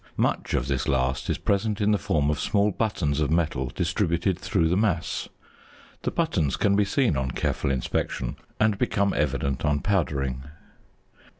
Much of this last is present in the form of small buttons of metal distributed through the mass. The buttons can be seen on careful inspection, and become evident on powdering.